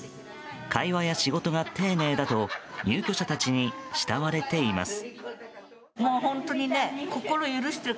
会話や仕事が丁寧だと入居者たちに慕われています。